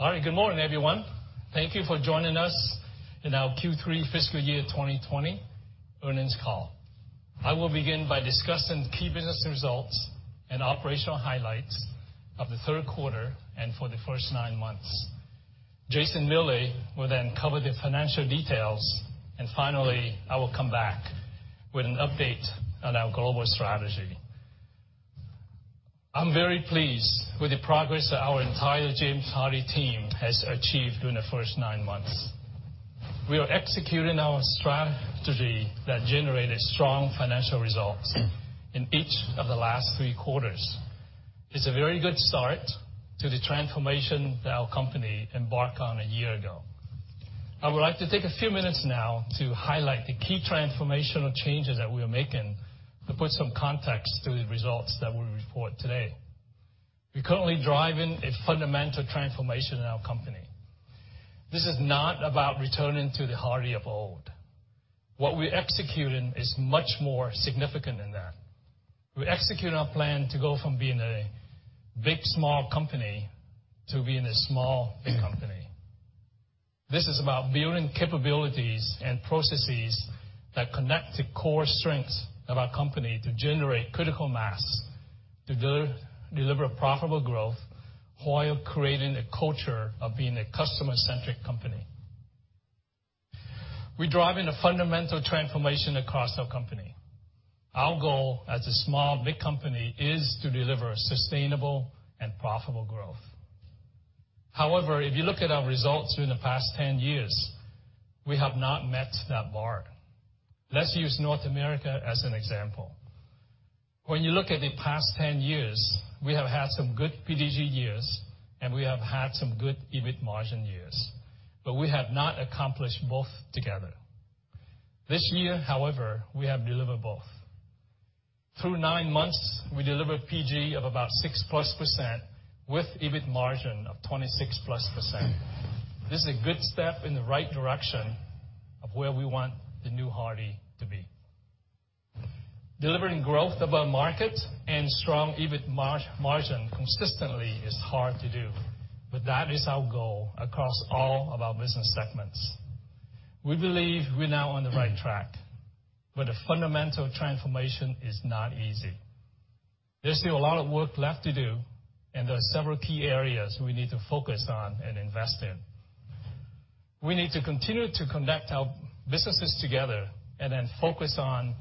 All right, good morning, everyone. Thank you for joining us in our Q3 fiscal year 2020 earnings call. I will begin by discussing key business results and operational highlights of the third quarter, and for the first nine months. Jason Miele will then cover the financial details, and finally, I will come back with an update on our global strategy. I'm very pleased with the progress that our entire James Hardie team has achieved during the first nine months. We are executing our strategy that generated strong financial results in each of the last three quarters. It's a very good start to the transformation that our company embarked on a year ago. I would like to take a few minutes now to highlight the key transformational changes that we are making, to put some context to the results that we report today. We're currently driving a fundamental transformation in our company. This is not about returning to the Hardie of old. What we're executing is much more significant than that. We're executing our plan to go from being a big, small company to being a small, big company. This is about building capabilities and processes that connect the core strengths of our company to generate critical mass, to deliver, deliver profitable growth while creating a culture of being a customer-centric company. We're driving a fundamental transformation across our company. Our goal as a small, big company is to deliver sustainable and profitable growth. However, if you look at our results through the past 10 years, we have not met that mark. Let's use North America as an example. When you look at the past ten years, we have had some good PDG years, and we have had some good EBIT margin years, but we have not accomplished both together. This year, however, we have delivered both. Through nine months, we delivered PDG of about 6%, with EBIT margin of 26%. This is a good step in the right direction of where we want the new Hardie to be. Delivering growth above market and strong EBIT margin consistently is hard to do, but that is our goal across all of our business segments. We believe we're now on the right track, but a fundamental transformation is not easy. There's still a lot of work left to do, and there are several key areas we need to focus on and invest in. We need to continue to connect our businesses together, and then focus on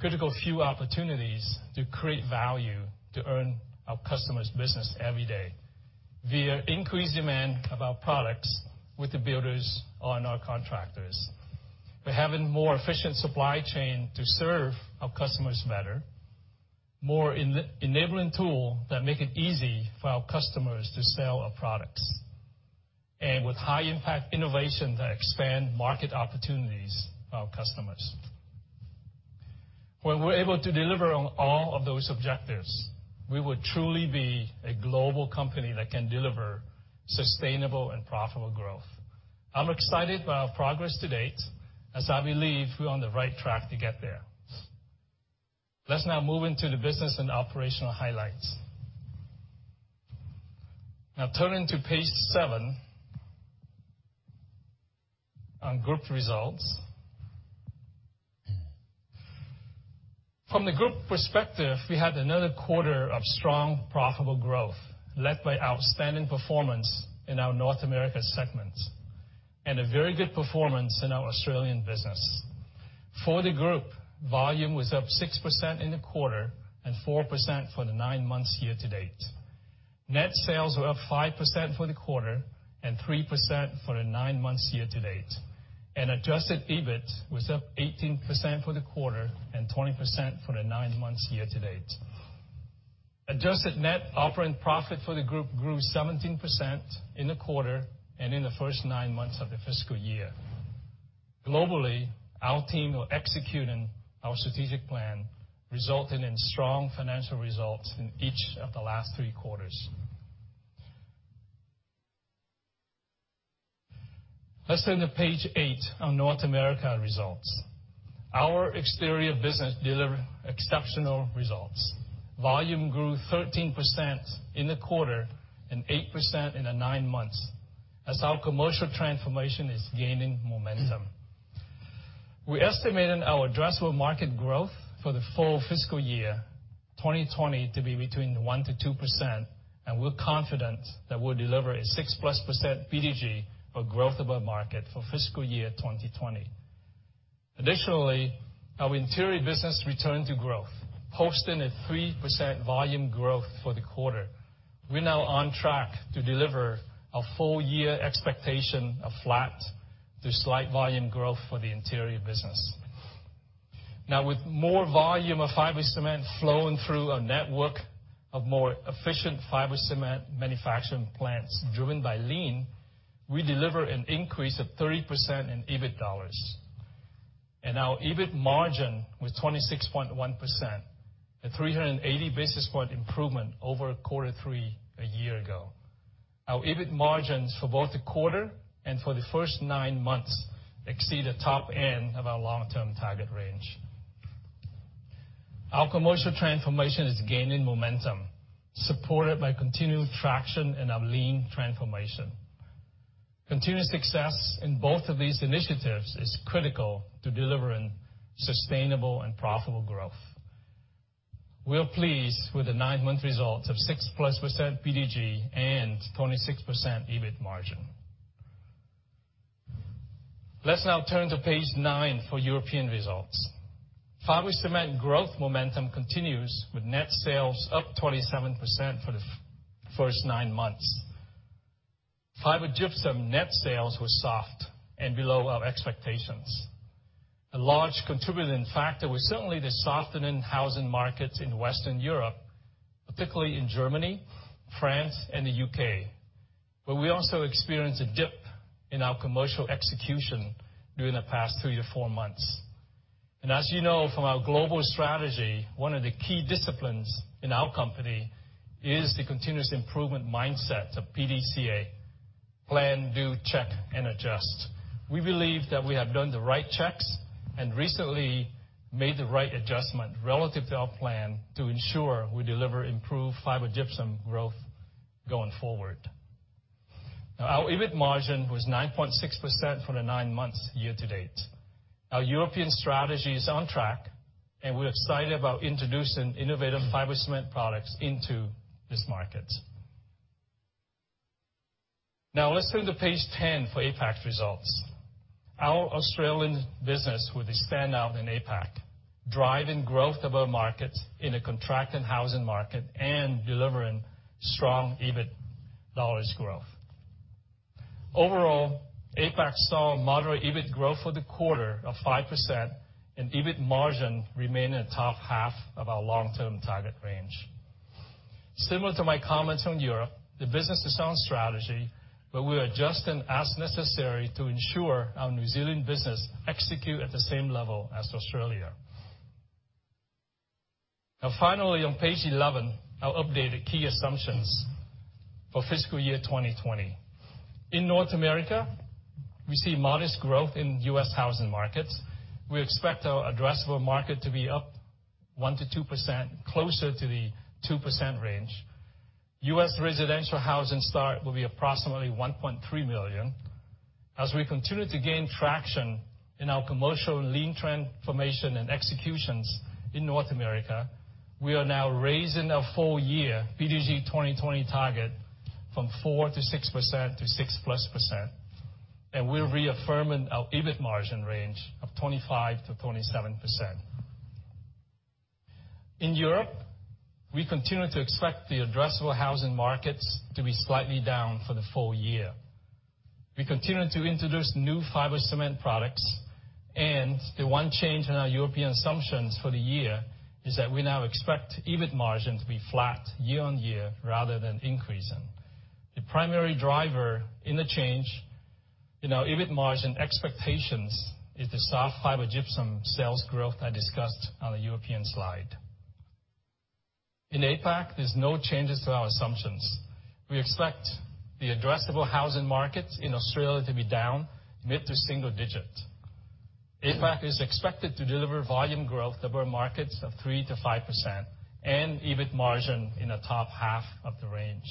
critical few opportunities to create value to earn our customers' business every day, via increased demand of our products with the builders and our contractors. We're having more efficient supply chain to serve our customers better, more enabling tool that make it easy for our customers to sell our products, and with high impact innovation that expand market opportunities of our customers. When we're able to deliver on all of those objectives, we will truly be a global company that can deliver sustainable and profitable growth. I'm excited by our progress to date, as I believe we're on the right track to get there. Let's now move into the business and operational highlights. Now turning to page seven, on group results. From the group perspective, we had another quarter of strong, profitable growth, led by outstanding performance in our North America segments, and a very good performance in our Australian business. For the group, volume was up 6% in the quarter, and 4% for the nine months year to date. Net sales were up 5% for the quarter, and 3% for the nine months year to date, and adjusted EBIT was up 18% for the quarter, and 20% for the nine months year to date. Adjusted net operating profit for the group grew 17% in the quarter and in the first nine months of the fiscal year. Globally, our team are executing our strategic plan, resulting in strong financial results in each of the last three quarters. Let's turn to page eight on North America results. Our exterior business delivered exceptional results. Volume grew 13% in the quarter, and 8% in the nine months, as our commercial transformation is gaining momentum. We estimated our addressable market growth for the full fiscal year, 2020, to be between 1%-2%, and we're confident that we'll deliver a 6%+ PDG or growth above market for fiscal year 2020. Additionally, our interior business returned to growth, posting a 3% volume growth for the quarter. We're now on track to deliver a full year expectation of flat to slight volume growth for the interior business. Now, with more volume of fiber cement flowing through our network of more efficient fiber cement manufacturing plants, driven by lean, we deliver an increase of 30% in EBIT dollars. Our EBIT margin was 26.1%, a 380 basis points improvement over quarter three a year ago. Our EBIT margins for both the quarter and for the first nine months exceed the top end of our long-term target range. Our commercial transformation is gaining momentum, supported by continued traction in our lean transformation. Continuous success in both of these initiatives is critical to delivering sustainable and profitable growth. We are pleased with the nine-month results of 6%+ PDG and 26% EBIT margin. Let's now turn to page nine for European results. Fiber Cement growth momentum continues, with net sales up 27% for the first nine months. Fiber Gypsum net sales were soft and below our expectations. A large contributing factor was certainly the softening housing markets in Western Europe, particularly in Germany, France, and the U.K., but we also experienced a dip in our commercial execution during the past three to four months, and as you know from our global strategy, one of the key disciplines in our company is the continuous improvement mindset of PDCA: plan, do, check, and adjust. We believe that we have done the right checks and recently made the right adjustment relative to our plan to ensure we deliver improved fiber gypsum growth going forward. Now, our EBIT margin was 9.6% for the nine months year to date. Our European strategy is on track, and we're excited about introducing innovative fiber cement products into this market. Now, let's turn to page 10 for APAC results. Our Australian business was a standout in APAC, driving growth of our markets in a contracting housing market and delivering strong EBIT dollars growth. Overall, APAC saw a moderate EBIT growth for the quarter of 5%, and EBIT margin remained in the top half of our long-term target range. Similar to my comments on Europe, the business is on strategy, but we are adjusting as necessary to ensure our New Zealand business execute at the same level as Australia. Now, finally, on page 11, our updated key assumptions for fiscal year 2020. In North America, we see modest growth in U.S. housing markets. We expect our addressable market to be up 1%-2%, closer to the 2% range. U.S. residential housing start will be approximately 1.3 million. As we continue to gain traction in our commercial and lean transformation and executions in North America, we are now raising our full year PDG 2020 target from 4%-6% to 6% plus, and we're reaffirming our EBIT margin range of 25%-27%. In Europe, we continue to expect the addressable housing markets to be slightly down for the full year. We continue to introduce new fiber cement products, and the one change in our European assumptions for the year is that we now expect EBIT margin to be flat year on year rather than increasing. The primary driver in the change in our EBIT margin expectations is the soft fiber gypsum sales growth I discussed on the European slide. In APAC, there's no changes to our assumptions. We expect the addressable housing market in Australia to be down mid to single digit. APAC is expected to deliver volume growth above markets of 3%-5% and EBIT margin in the top half of the range.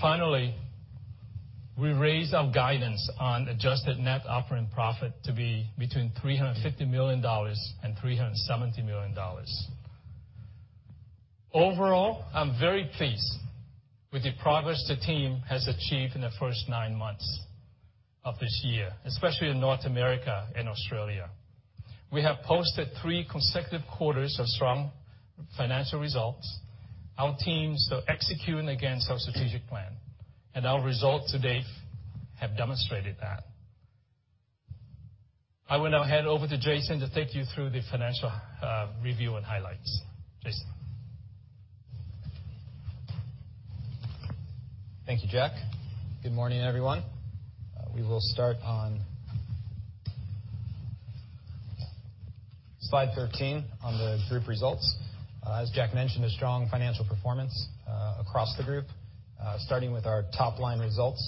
Finally, we raised our guidance on adjusted net operating profit to be between $350 million and $370 million. Overall, I'm very pleased with the progress the team has achieved in the first nine months of this year, especially in North America and Australia. We have posted three consecutive quarters of strong financial results. Our teams are executing against our strategic plan, and our results to date have demonstrated that. I will now hand over to Jason to take you through the financial review and highlights. Jason? Thank you, Jack. Good morning, everyone. We will start on slide 13, on the group results. As Jack mentioned, a strong financial performance across the group. Starting with our top-line results,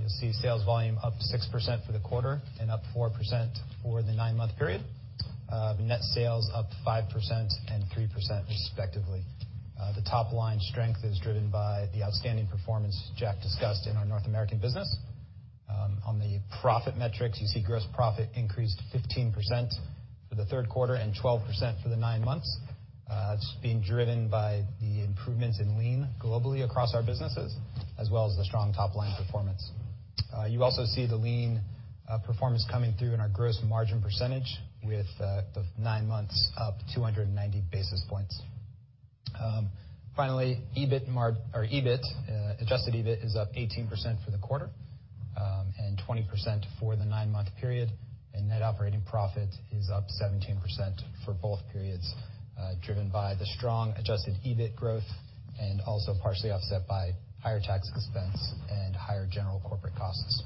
you'll see sales volume up 6% for the quarter and up 4% for the nine-month period. Net sales up 5% and 3%, respectively. The top-line strength is driven by the outstanding performance Jack discussed in our North American business. On the profit metrics, you see gross profit increased 15% for the third quarter and 12% for the nine months. It's being driven by the improvements in lean globally across our businesses, as well as the strong top-line performance. You also see the lean performance coming through in our gross margin percentage, with the nine months up 290 basis points. Finally, EBIT or adjusted EBIT is up 18% for the quarter, and 20% for the nine-month period, and net operating profit is up 17% for both periods, driven by the strong adjusted EBIT growth and also partially offset by higher tax expense and higher general corporate costs.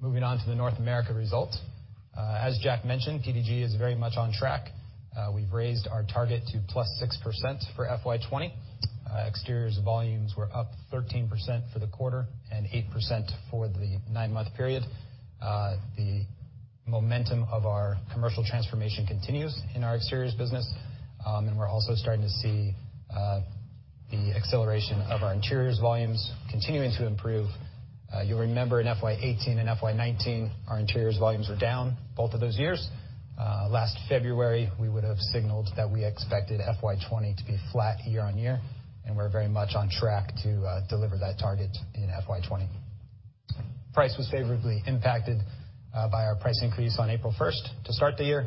Moving on to the North America results. As Jack mentioned, PDG is very much on track. We've raised our target to 6%+ for FY 2020. Exteriors volumes were up 13% for the quarter and 8% for the nine-month period. The momentum of our commercial transformation continues in our exteriors business, and we're also starting to see the acceleration of our interiors volumes continuing to improve. You'll remember in FY 2018 and FY 2019, our interiors volumes were down both of those years. Last February, we would have signaled that we expected FY 2020 to be flat year on year, and we're very much on track to deliver that target in FY 2020. Price was favorably impacted by our price increase on April first to start the year,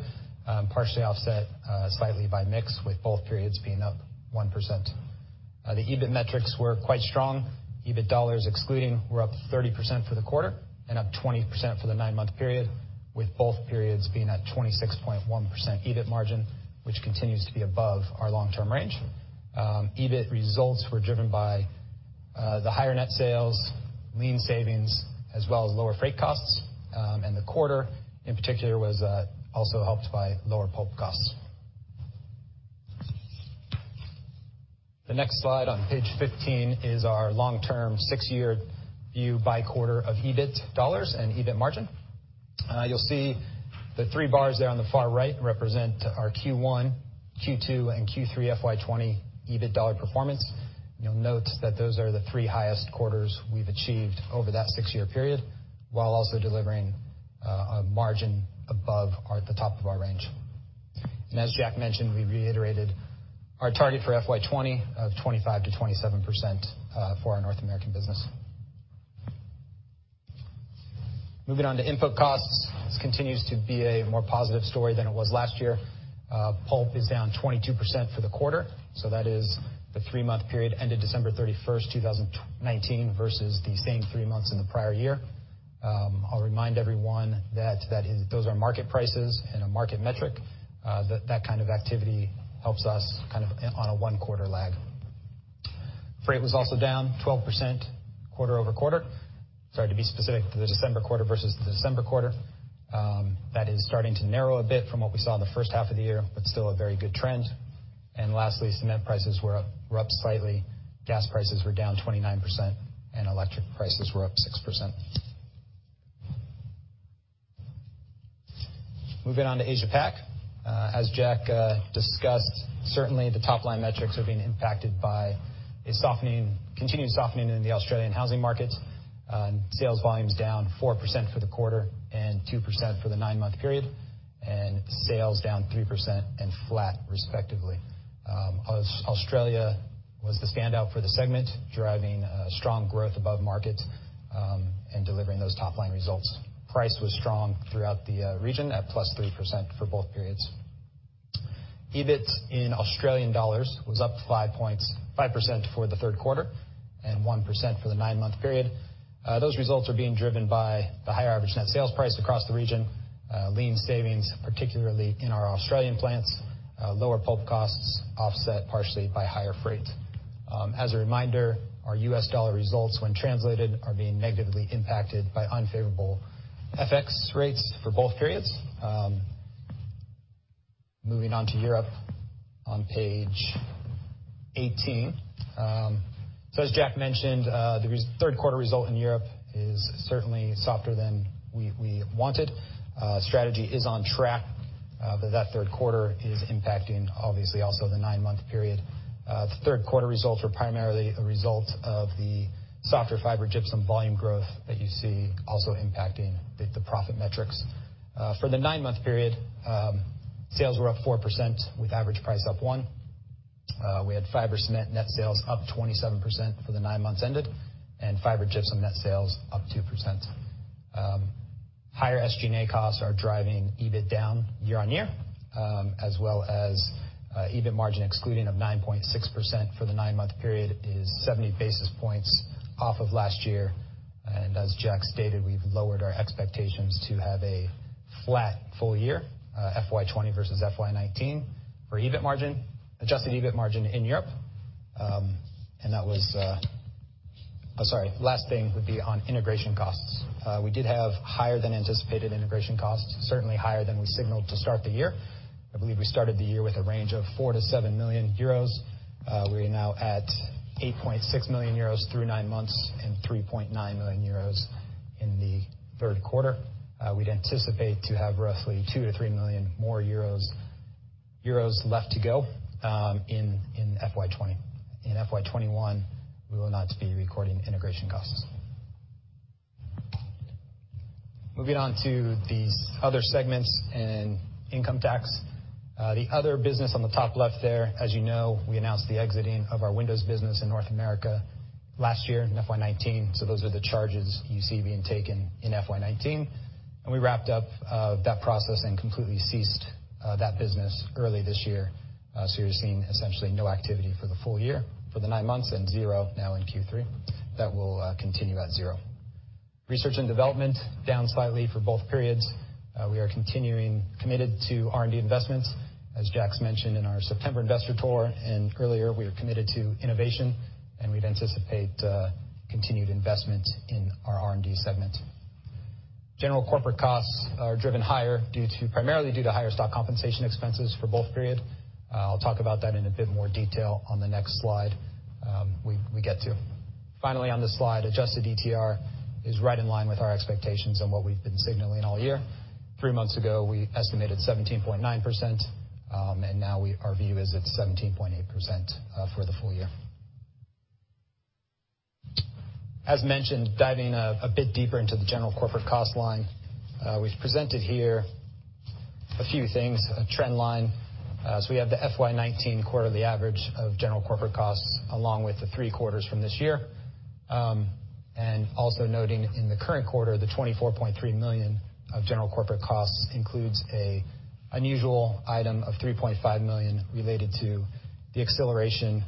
partially offset slightly by mix, with both periods being up 1%. The EBIT metrics were quite strong. EBIT dollars excluding were up 30% for the quarter and up 20% for the nine-month period, with both periods being at 26.1% EBIT margin, which continues to be above our long-term range. EBIT results were driven by the higher net sales, lean savings, as well as lower freight costs, and the quarter, in particular, was also helped by lower pulp costs. The next slide on page 15 is our long-term six-year view by quarter of EBIT dollars and EBIT margin. You'll see the three bars there on the far right represent our Q1, Q2, and Q3 FY 2020 EBIT dollar performance. You'll note that those are the three highest quarters we've achieved over that six-year period, while also delivering a margin above our, the top of our range. As Jack mentioned, we reiterated our target for FY 25 of 25 to 27%, for our North American business. Moving on to input costs. This continues to be a more positive story than it was last year. Pulp is down 22% for the quarter, so that is the three-month period, ended December thirty-first, two thousand and nineteen, versus the same three months in the prior year. I'll remind everyone that, that is, those are market prices and a market metric. That, that kind of activity helps us kind of on a one-quarter lag. Freight was also down 12% quarter-over-quarter. Sorry, to be specific, for the December quarter versus the December quarter. That is starting to narrow a bit from what we saw in the first half of the year, but still a very good trend. And lastly, cement prices were up, were up slightly. Gas prices were down 29%, and electric prices were up 6%. Moving on to Asia Pac. As Jack discussed, certainly the top-line metrics are being impacted by a softening, continued softening in the Australian housing market. Sales volumes down 4% for the quarter and 2% for the nine-month period, and sales down 3% and flat, respectively. Australia was the standout for the segment, driving strong growth above market, and delivering those top-line results. Price was strong throughout the region at +3% for both periods. EBIT in Australian dollars was up five points, 5% for the third quarter and 1% for the nine-month period. Those results are being driven by the higher average net sales price across the region, lean savings, particularly in our Australian plants, lower pulp costs, offset partially by higher freight. As a reminder, our U.S. dollar results, when translated, are being negatively impacted by unfavorable FX rates for both periods. Moving on to Europe on page 18. So as Jack mentioned, the third quarter result in Europe is certainly softer than we wanted. Strategy is on track, but that third quarter is impacting, obviously, also the nine-month period. The third quarter results were primarily a result of the softer fiber gypsum volume growth that you see also impacting the profit metrics. For the nine-month period, sales were up 4% with average price up 1%. We had fiber cement net sales up 27% for the nine months ended, and fiber gypsum net sales up 2%. Higher SG&A costs are driving EBIT down year on year, as well as, EBIT margin excluding of 9.6% for the nine-month period is seventy basis points off of last year. And as Jack stated, we've lowered our expectations to have a flat full year, FY 2020 versus FY 2019 for EBIT margin, adjusted EBIT margin in Europe. Last thing would be on integration costs. We did have higher than anticipated integration costs, certainly higher than we signaled to start the year. I believe we started the year with a range of 4 million-7 million euros. We are now at 8.6 million euros through nine months and 3.9 million euros in the third quarter. We'd anticipate to have roughly 2million-3 million euros EUR more left to go in FY 2020. In FY 2021, we will not be recording integration costs. Moving on to these other segments and income tax. The other business on the top left there, as you know, we announced the exiting of our windows business in North America last year in FY 2019, so those are the charges you see being taken in FY 2019, and we wrapped up that process and completely ceased that business early this year. So you're seeing essentially no activity for the full year, for the nine months, and zero now in Q3. That will continue at zero. Research and development, down slightly for both periods. We are continuing committed to R&D investments. As Jack's mentioned in our September investor tour and earlier, we are committed to innovation, and we'd anticipate continued investment in our R&D segment. General corporate costs are driven higher due to, primarily due to higher stock compensation expenses for both periods. I'll talk about that in a bit more detail on the next slide, we get to. Finally, on this slide, adjusted ETR is right in line with our expectations and what we've been signaling all year. Three months ago, we estimated 17.9%, and now our view is it's 17.8% for the full year. As mentioned, diving a bit deeper into the general corporate cost line, we've presented here a few things, a trend line. We have the FY 2019 quarterly average of general corporate costs, along with the three quarters from this year. Noting in the current quarter, the $24.3 million of general corporate costs includes an unusual item of $3.5 million related to the acceleration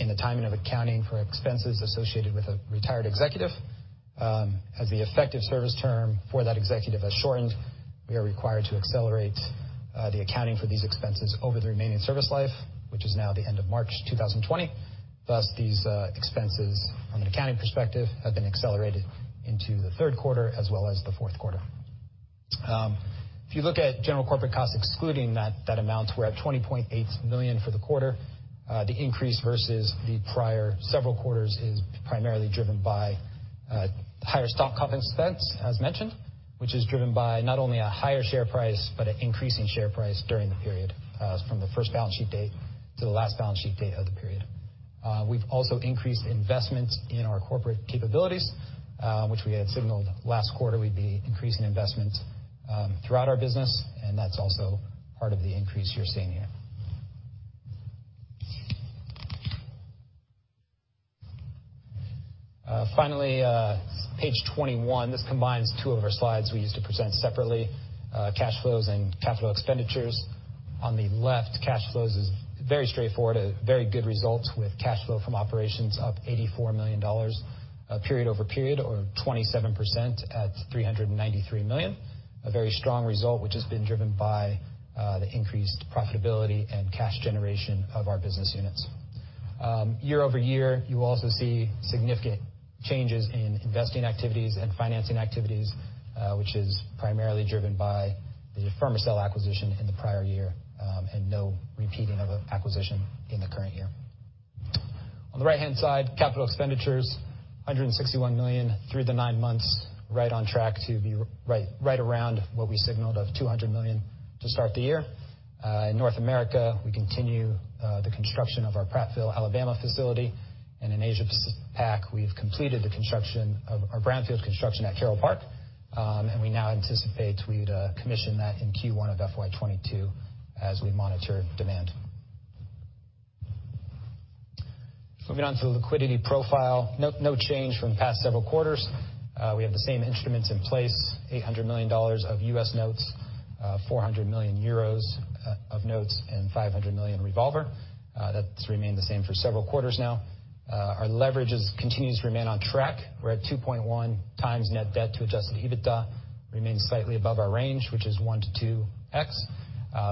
in the timing of accounting for expenses associated with a retired executive. As the effective service term for that executive has shortened, we are required to accelerate the accounting for these expenses over the remaining service life, which is now the end of March 2020. Thus, these expenses, from an accounting perspective, have been accelerated into the third quarter as well as the fourth quarter. If you look at general corporate costs, excluding that amount, we're at $20.8 million for the quarter. The increase versus the prior several quarters is primarily driven by higher stock comp expense, as mentioned, which is driven by not only a higher share price, but an increasing share price during the period from the first balance sheet date to the last balance sheet date of the period. We've also increased investments in our corporate capabilities, which we had signaled last quarter we'd be increasing investments throughout our business, and that's also part of the increase you're seeing here. Finally, page 21. This combines two of our slides we used to present separately, cash flows and capital expenditures. On the left, cash flows is very straightforward, a very good result with cash flow from operations up $84 million period over period, or 27% at $393 million. A very strong result, which has been driven by the increased profitability and cash generation of our business units. Year over year, you also see significant changes in investing activities and financing activities, which is primarily driven by the Fermacell acquisition in the prior year, and no repeating of an acquisition in the current year. On the right-hand side, capital expenditures, $161 million through the nine months, right on track to be right, right around what we signaled of $200 million to start the year. In North America, we continue the construction of our Prattville, Alabama facility, and in Asia Pac, we've completed the construction of our brownfield construction at Carole Park, and we now anticipate we'd commission that in Q1 of FY 2022 as we monitor demand. Moving on to the liquidity profile. No, no change from the past several quarters. We have the same instruments in place, $800 million of U.S. notes, 400 million euros of notes, and $500 million revolver. That's remained the same for several quarters now. Our leverage is, continues to remain on track. We're at 2.1x xnet debt to adjusted EBITDA, remains slightly above our range, which is 1-2x,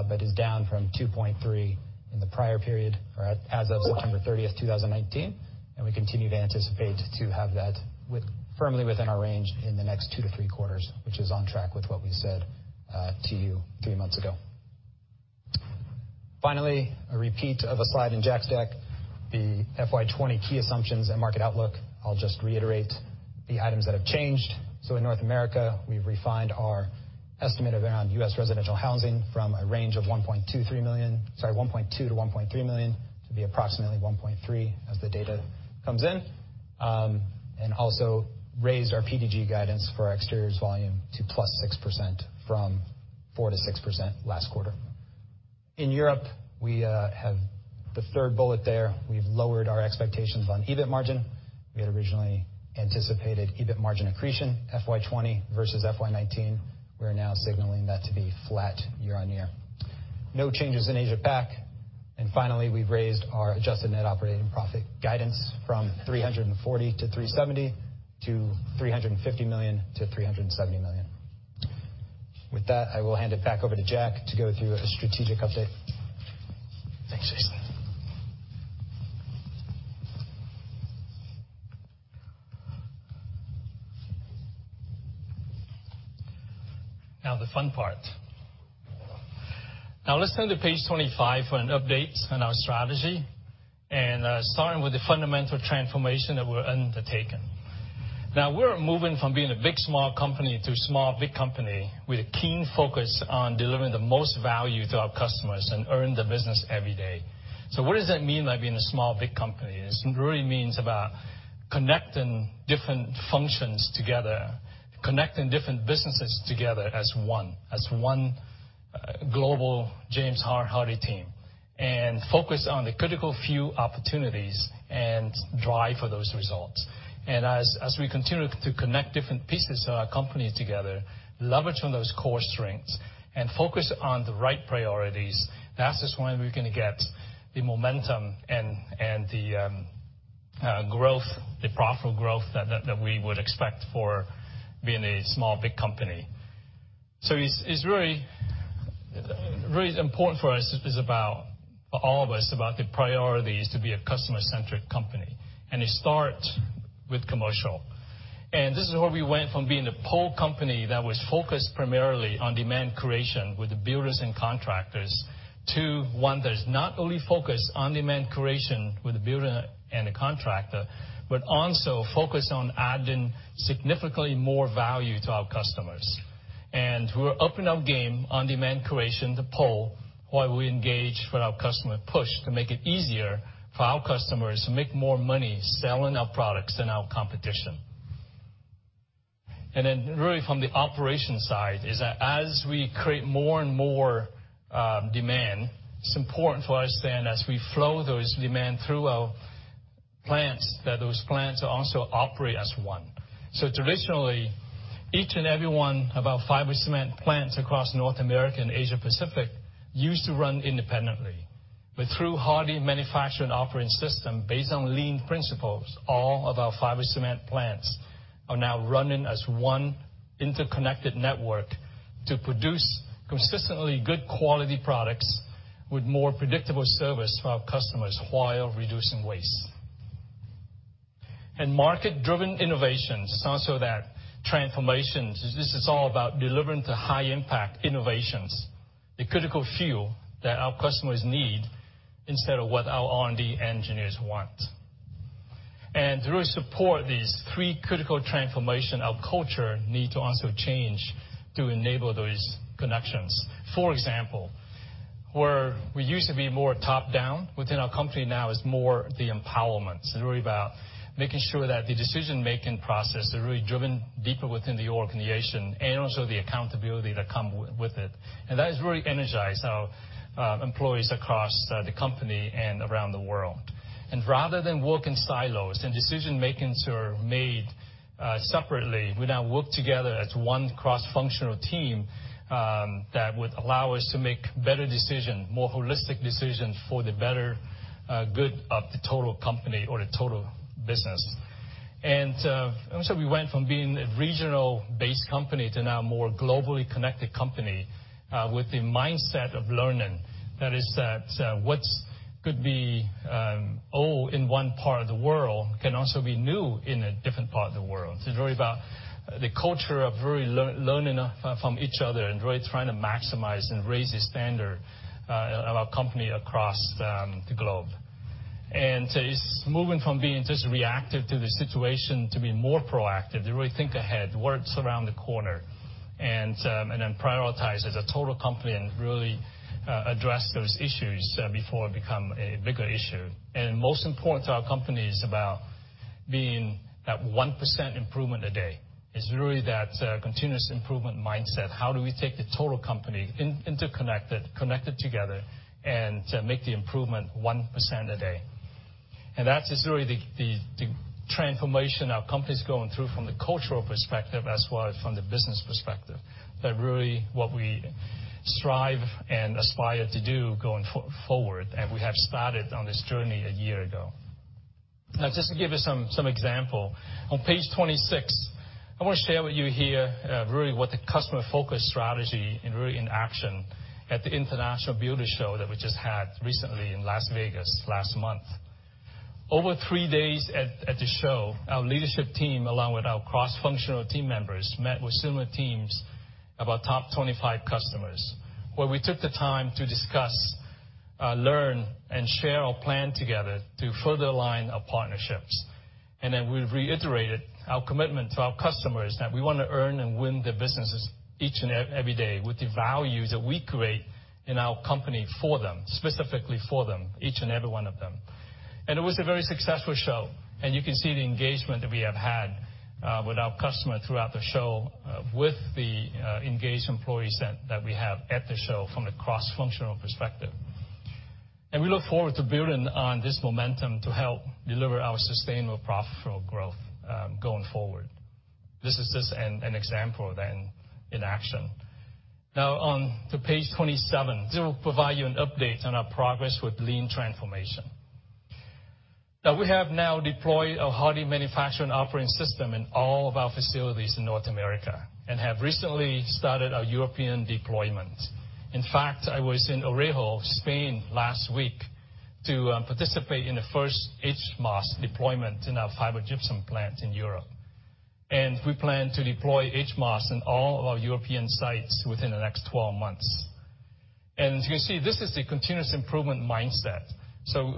but is down from 2.3 in the prior period or as of September 30th, 2019, and we continue to anticipate to have that with, firmly within our range in the next two to three quarters, which is on track with what we said, to you three months ago. Finally, a repeat of a slide in Jack's deck, the FY 2020 key assumptions and market outlook. I'll just reiterate the items that have changed. So in North America, we've refined our estimate of around U.S. residential housing from a range of 1.2 million-1.3 million, sorry, to be approximately 1.3 as the data comes in. And also raised our PDG guidance for our exteriors volume to +6% from 4%-6% last quarter. In Europe, we have the third bullet there. We've lowered our expectations on EBIT margin. We had originally anticipated EBIT margin accretion, FY 2020 versus FY 2019. We are now signaling that to be flat year-on-year. No changes in Asia Pac. And finally, we've raised our adjusted net operating profit guidance from $340 million-$370 million to $350 million-$370 million. With that, I will hand it back over to Jack to go through a strategic update. Thanks, Jason. Now the fun part. Now let's turn to page twenty-five for an update on our strategy, and starting with the fundamental transformation that we're undertaking. Now, we're moving from being a big, small company to a small, big company with a keen focus on delivering the most value to our customers and earn the business every day. So what does that mean by being a small, big company? It really means about connecting different functions together, connecting different businesses together as one, global James Hardie team, and focus on the critical few opportunities and drive for those results. As we continue to connect different pieces of our company together, leverage on those core strengths and focus on the right priorities, that is when we're gonna get the momentum and the growth, the profitable growth that we would expect for being a small, big company. So it's really important for us is about, for all of us, about the priorities to be a customer-centric company, and it start with commercial. This is where we went from being a pull company that was focused primarily on demand creation with the builders and contractors, to one that is not only focused on demand creation with the builder and the contractor, but also focused on adding significantly more value to our customers. We're upping our game on demand creation to pull, while we engage with our customer push, to make it easier for our customers to make more money selling our products than our competition. Then really, from the operations side, as we create more and more demand, it's important for us then, as we flow that demand through our plants, that those plants also operate as one. Traditionally, each and every one of our fiber cement plants across North America and Asia Pacific used to run independently, but through Hardie Manufacturing Operating System, based on lean principles, all of our fiber cement plants are now running as one interconnected network to produce consistently good quality products with more predictable service to our customers while reducing waste. And market-driven innovations, it's also that transformations. This is all about delivering the high impact innovations, the critical fuel that our customers need, instead of what our R&D engineers want. And to really support these three critical transformation, our culture need to also change to enable those connections. For example, where we used to be more top-down within our company, now it's more the empowerment. It's really about making sure that the decision-making process is really driven deeper within the organization, and also the accountability that come with it. And that has really energized our employees across the company and around the world. And rather than work in silos and decision-makings are made separately, we now work together as one cross-functional team that would allow us to make better decision, more holistic decision for the better good of the total company or the total business. Also, we went from being a regional-based company to now a more globally connected company with the mindset of learning. That is, what's could be old in one part of the world can also be new in a different part of the world. It's really about the culture of really learning from each other and really trying to maximize and raise the standard of our company across the globe. So it's moving from being just reactive to the situation to being more proactive, to really think ahead, what's around the corner, and then prioritize as a total company and really address those issues before it become a bigger issue. Most important to our company is about being that 1% improvement a day. It's really that continuous improvement mindset. How do we take the total company interconnected, connected together, and make the improvement 1% a day? That is really the transformation our company's going through from the cultural perspective as well as from the business perspective. That really what we strive and aspire to do going forward, and we have started on this journey a year ago. Now, just to give you some example, on page 26, I want to share with you here, really what the customer focus strategy and really in action at the International Builders' Show that we just had recently in Las Vegas last month. Over three days at the show, our leadership team, along with our cross-functional team members, met with similar teams of our top 25 customers, where we took the time to discuss, learn, and share our plan together to further align our partnerships, and then we reiterated our commitment to our customers, that we want to earn and win their businesses each and every day with the values that we create in our company for them, specifically for them, each and every one of them, and it was a very successful show, and you can see the engagement that we have had with our customers throughout the show with the engaged employees that we have at the show from a cross-functional perspective, and we look forward to building on this momentum to help deliver our sustainable profitable growth going forward. This is just an example then in action. Now on to page 27, this will provide you an update on our progress with lean transformation. Now, we have now deployed a Hardie Manufacturing Operating System in all of our facilities in North America and have recently started our European deployment. In fact, I was in Orejo, Spain, last week to participate in the first HMOS deployment in our fiber gypsum plant in Europe. We plan to deploy HMOS in all of our European sites within the next 12 months. As you can see, this is a continuous improvement mindset.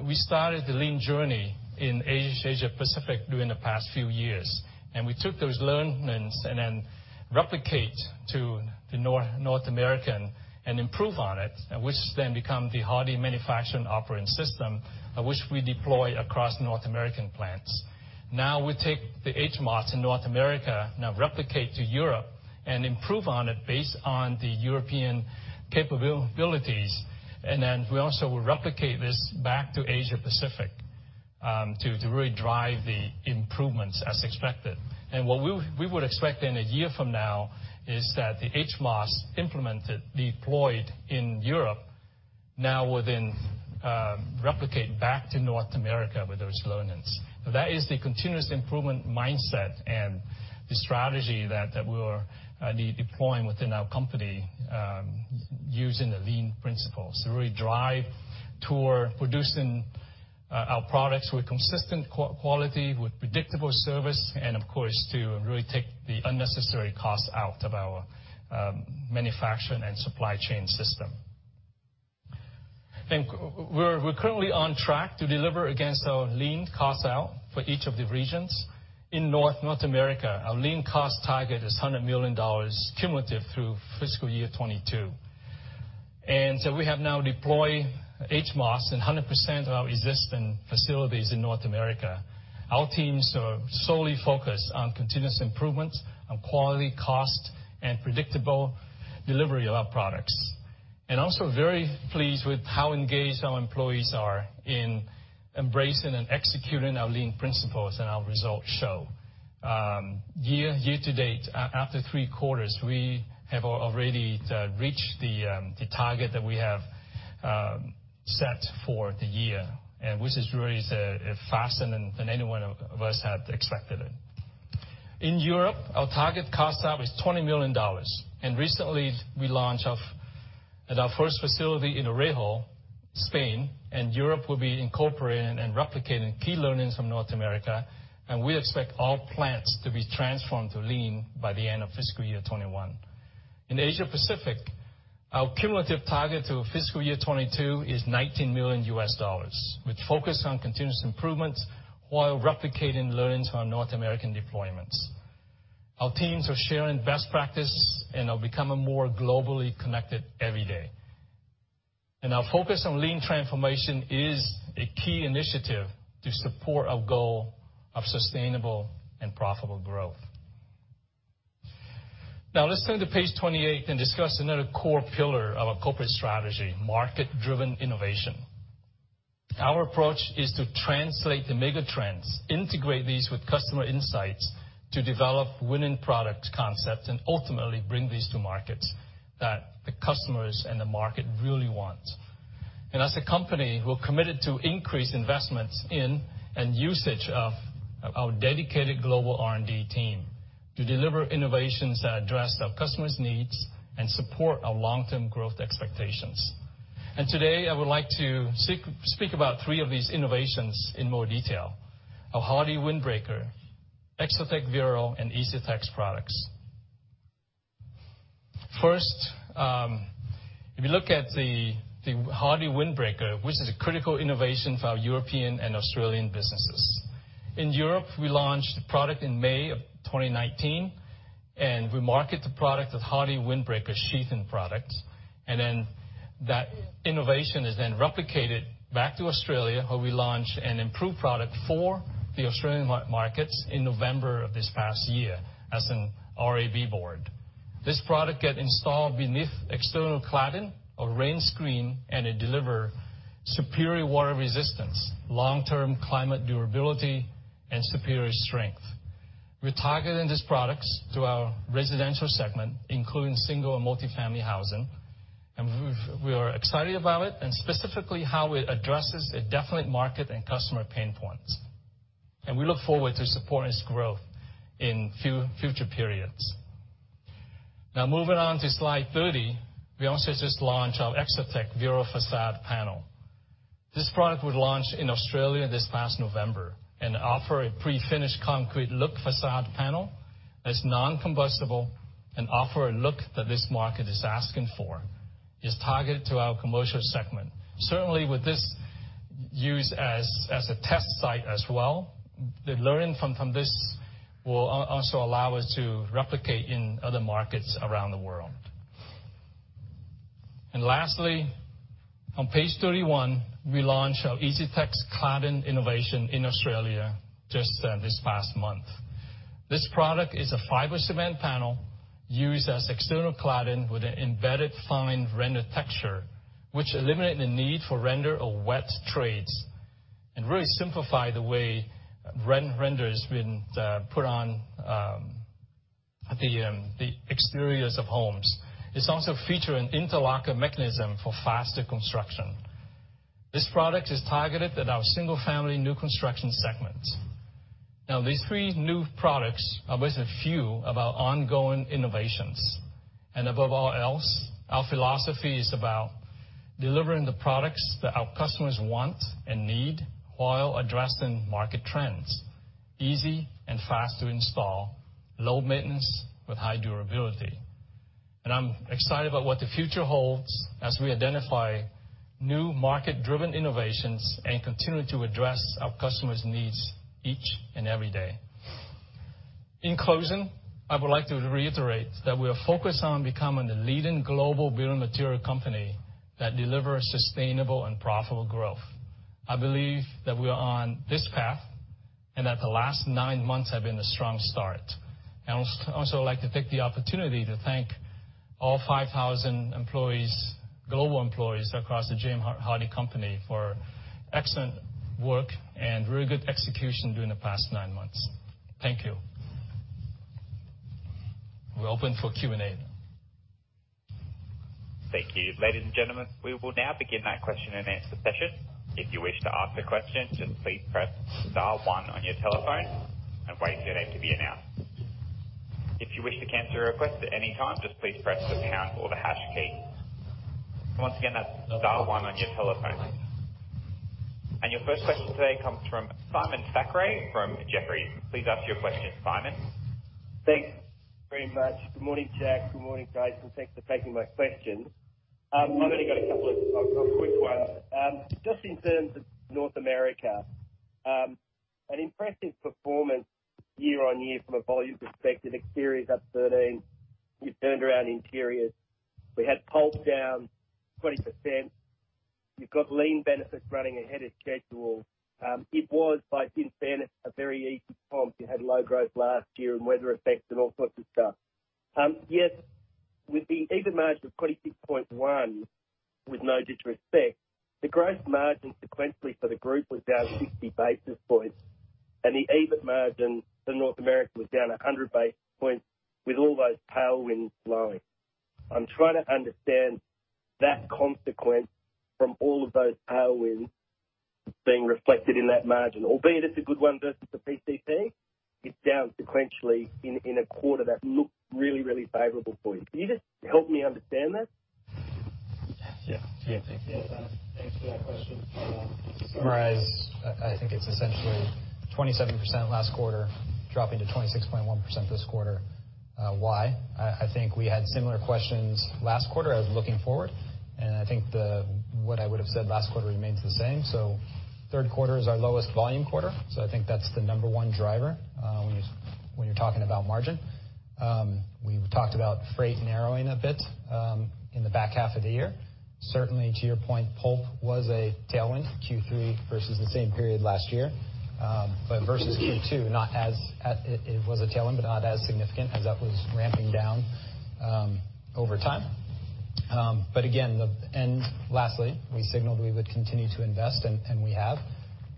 We started the lean journey in Asia Pacific during the past few years, and we took those learnings and then replicate to North America and improve on it, and which then become the Hardie Manufacturing Operating System, which we deploy across North American plants. Now we take the HMOS in North America, replicate to Europe and improve on it based on the European capabilities, and then we also will replicate this back to Asia Pacific, to really drive the improvements as expected. What we would expect in a year from now is that the HMOS implemented, deployed in Europe now within, replicate back to North America with those learnings. That is the continuous improvement mindset and the strategy that we are deploying within our company, using the lean principles to really drive toward producing our products with consistent quality, with predictable service, and, of course, to really take the unnecessary costs out of our manufacturing and supply chain system. Then we're currently on track to deliver against our lean costs out for each of the regions. In North America, our lean cost target is $100 million cumulative through fiscal year 2022. And so we have now deployed HMOS in 100% of our existing facilities in North America. Our teams are solely focused on continuous improvements on quality, cost, and predictable delivery of our products. And also very pleased with how engaged our employees are in embracing and executing our lean principles, and our results show. Year to date, after three quarters, we have already reached the target that we have set for the year, and which is really faster than any one of us had expected it. In Europe, our target cost out is $20 million, and recently, we launched off at our first facility in Orejo, Spain, and Europe will be incorporating and replicating key learnings from North America, and we expect all plants to be transformed to lean by the end of fiscal year 2021. In Asia Pacific, our cumulative target to fiscal year 2022 is $19 million, which focus on continuous improvements while replicating learnings from North American deployments. Our teams are sharing best practice and are becoming more globally connected every day. Our focus on lean transformation is a key initiative to support our goal of sustainable and profitable growth. Now, let's turn to page 28 and discuss another core pillar of our corporate strategy, market-driven innovation. Our approach is to translate the mega trends, integrate these with customer insights to develop winning product concepts, and ultimately bring these to markets that the customers and the market really want. As a company, we're committed to increase investments in and usage of our dedicated global R&D team to deliver innovations that address our customers' needs and support our long-term growth expectations. Today, I would like to speak about three of these innovations in more detail, our Hardie Windbreaker, ExoTec Vero, and EasyTex products. First, if you look at the Hardie Windbreaker, which is a critical innovation for our European and Australian businesses. In Europe, we launched the product in May of 2019, and we market the product as Hardie Windbreaker Sheathing product. And then that innovation is then replicated back to Australia, where we launched an improved product for the Australian markets in November of this past year as an RAB board. This product get installed beneath external cladding or rain screen, and it deliver superior water resistance, long-term climate durability, and superior strength. We're targeting these products to our residential segment, including single and multifamily housing, and we are excited about it, and specifically how it addresses a definite market and customer pain points. And we look forward to supporting its growth in future periods. Now, moving on to slide 30, we also just launched our ExoTec Vero facade panel. This product was launched in Australia this past November, and offer a pre-finished concrete look facade panel that's non-combustible and offer a look that this market is asking for. It's targeted to our commercial segment. Certainly, with this used as a test site as well, the learning from this will also allow us to replicate in other markets around the world. And lastly, on page 31, we launched our EasyTex cladding innovation in Australia just this past month. This product is a fiber cement panel used as external cladding with an embedded fine render texture, which eliminate the need for render or wet trades, and really simplify the way render has been put on the exteriors of homes. It's also featuring interlocking mechanism for faster construction. This product is targeted at our single-family new construction segment. Now, these three new products are just a few of our ongoing innovations, and above all else, our philosophy is about delivering the products that our customers want and need while addressing market trends, easy and fast to install, low maintenance with high durability, and I'm excited about what the future holds as we identify new market-driven innovations and continue to address our customers' needs each and every day. In closing, I would like to reiterate that we are focused on becoming the leading global building material company that delivers sustainable and profitable growth. I believe that we are on this path and that the last nine months have been a strong start. I would also like to take the opportunity to thank all five thousand employees, global employees across the James Hardie company, for excellent work and very good execution during the past nine months. Thank you. We're open for Q&A. Thank you, ladies and gentlemen. We will now begin that question and answer session. If you wish to ask a question, just please press star one on your telephone and wait for your name to be announced. If you wish to cancel your request at any time, just please press the pound or the hash key. Once again, that's star one on your telephone. And your first question today comes from Simon Thackray from Jefferies. Please ask your question, Simon. Thanks very much. Good morning, Jack. Good morning, guys, and thanks for taking my questions. I've only got a couple of quick ones. Just in terms of North America, an impressive performance year on year from a volume perspective, exteriors up 13. You've turned around interiors. We had pulp down 20%. You've got lean benefits running ahead of schedule. It was, like, in fairness, a very easy comp. You had low growth last year and weather effects and all sorts of stuff. Yet with the EBIT margin of 26.1, with no disrespect, the gross margin sequentially for the group was down 60 basis points, and the EBIT margin for North America was down 100 basis points with all those tailwinds blowing. I'm trying to understand that consequence from all of those tailwinds being reflected in that margin. Albeit it's a good one versus the PCP, it's down sequentially in a quarter that looks really, really favorable for you. Can you just help me understand that? Yeah. Yeah. Thanks for that question. To summarize, I think it's essentially 27% last quarter, dropping to 26.1% this quarter. Why? I think we had similar questions last quarter as looking forward, and I think what I would have said last quarter remains the same. So third quarter is our lowest volume quarter, so I think that's the number one driver, when you're talking about margin. We've talked about freight narrowing a bit, in the back half of the year. Certainly, to your point, pulp was a tailwind, Q3 versus the same period last year. But versus Q2, not as it was a tailwind, but not as significant as that was ramping down, over time. But again, lastly, we signaled we would continue to invest, and we have.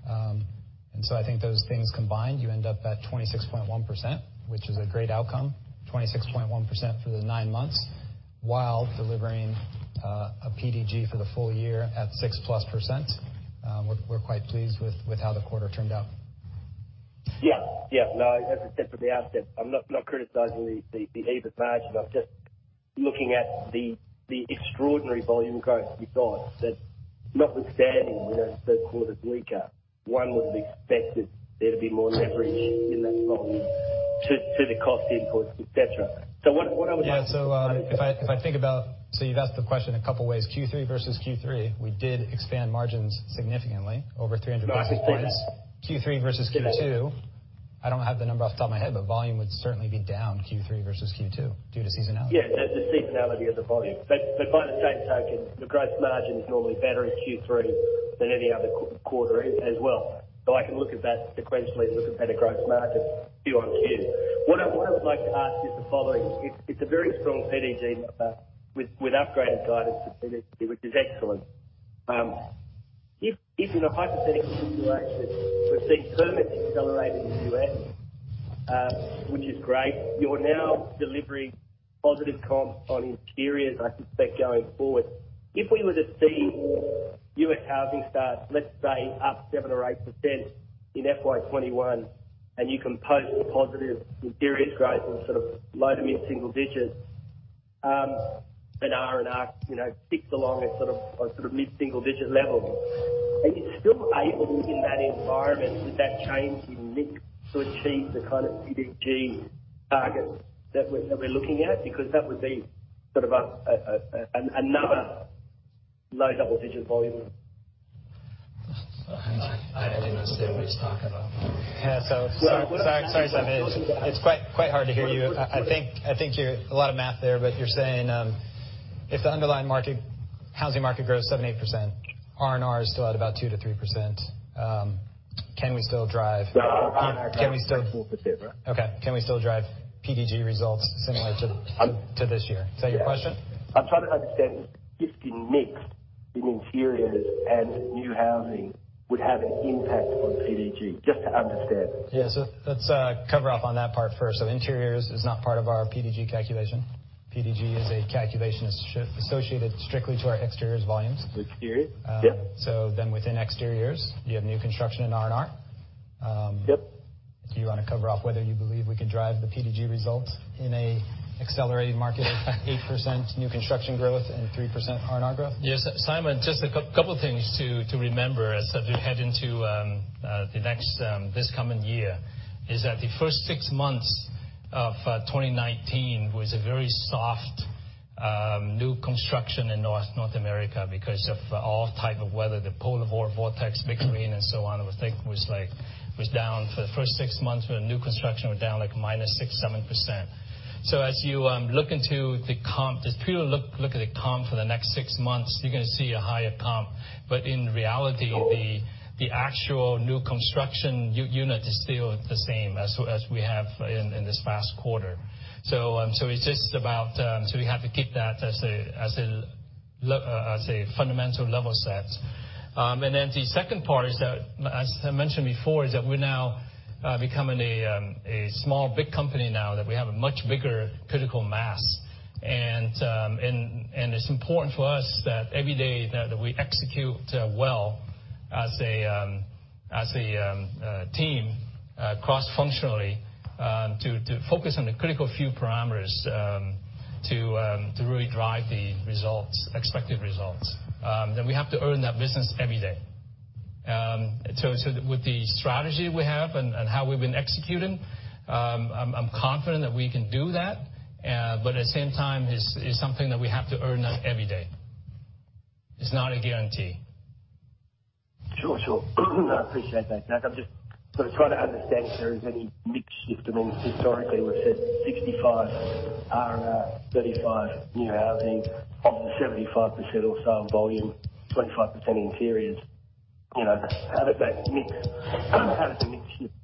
And so I think those things combined, you end up at 26.1%, which is a great outcome. 26.1% for the nine months, while delivering a PDG for the full year at 6%+. We're quite pleased with how the quarter turned out. Yeah. No, as I said from the outset, I'm not criticizing the EBIT margin. I'm just looking at the extraordinary volume growth you got, that notwithstanding, you know, third quarter is weaker, one would have expected there to be more leverage in that volume to the cost inputs, et cetera. So what I would- Yeah, so, if I think about... So you asked the question a couple ways. Q3 versus Q3, we did expand margins significantly, over 300 basis points. I see. Q3 versus Q2, I don't have the number off the top of my head, but volume would certainly be down Q3 versus Q2 due to seasonality. Yeah, the seasonality of the volume, but by the same token, the growth margin is normally better in Q3 than any other quarter as well, so I can look at that sequentially and look at better growth margins Q-on-Q. What I would like to ask you is the following: It's a very strong PDG number with upgraded guidance to PDG, which is excellent. If in a hypothetical situation we've seen permits accelerating in the U.S., which is great, you are now delivering positive comps on interiors, I suspect, going forward. If we were to see U.S. housing starts, let's say, up 7% or 8% in FY 2021, and you can post positive interiors growth and sort of low to mid-single digits, and RNR, you know, ticks along at sort of a mid-single digit level, are you still able in that environment, with that change in mix, to achieve the kind of PDG targets that we're looking at? Because that would be sort of another low double-digit volume. I didn't understand what he's talking about. Yeah. So sorry, sorry, Simon. It's quite, quite hard to hear you. I think, I think you're doing a lot of math there, but you're saying, if the underlying market, housing market grows 7%-8%, RNR is still at about 2%-3%, can we still drive- Yeah. Can we still- Four percent. Okay. Can we still drive PDG results similar to this year? Yes. Is that your question? I'm trying to understand if the mix in interiors and new housing would have an impact on PDG. Just to understand. Yeah. So let's cover off on that part first. So interiors is not part of our PDG calculation. PDG is a calculation associated strictly to our exteriors volumes. Exteriors? Yep. So then within exteriors, you have new construction and RNR. Yep. Do you want to cover off whether you believe we can drive the PDG results in an accelerated market of 8% new construction growth and 3% RNR growth? Yes, Simon, just a couple things to remember as we head into the next, this coming year, is that the first six months of twenty nineteen was a very soft new construction in North America because of all type of weather. The polar vortex, big rain, and so on, I think was like, was down for the first six months, new construction was down, like, minus 6%-7%. So as you look into the comp, just purely look at the comp for the next six months, you're gonna see a higher comp, but in reality, the actual new construction unit is still the same as we have in this last quarter. So it's just about. So we have to keep that as a fundamental level set. And then the second part is that, as I mentioned before, is that we're now becoming a small, big company now, that we have a much bigger critical mass. And it's important for us that every day that we execute well as a team cross-functionally to focus on the critical few parameters to really drive the results, expected results. That we have to earn that business every day. So with the strategy we have and how we've been executing, I'm confident that we can do that. But at the same time, it's something that we have to earn that every day. It's not a guarantee. Sure, sure. I appreciate that, Jack. I'm just sort of trying to understand if there is any mix shift. I mean, historically, we've said 65 RNR, 35%, new housing, 75% or so on volume, 25% interiors. You know, how did that mix, how did the mix shift,